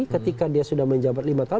ketika dia sudah menjabat lima tahun